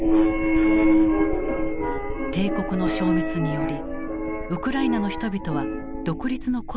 帝国の消滅によりウクライナの人々は独立の声をあげた。